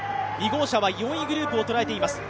２号車は４位グループを捉えています。